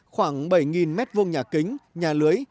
khoảng bảy m hai nhà kính nhà lưới